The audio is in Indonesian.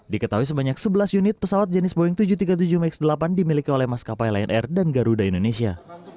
diketahui sebanyak sebelas unit pesawat jenis boeing tujuh ratus tiga puluh tujuh max delapan dimiliki oleh maskapai lion air dan garuda indonesia